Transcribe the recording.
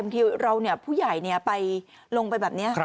ทีเราผู้ใหญ่ไปลงไปแบบนี้